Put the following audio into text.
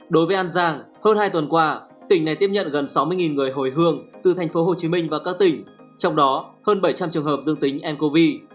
đối với an giang hơn hai tuần qua tỉnh này tiếp nhận gần sáu mươi người hồi hương từ thành phố hồ chí minh và các tỉnh trong đó hơn bảy trăm linh trường hợp dương tính ncov